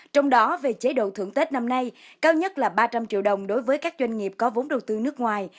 trong đó về chế độ thưởng tết năm nay cao nhất là ba trăm linh triệu đồng đối với các doanh nghiệp có vốn đầu tư nước ngoài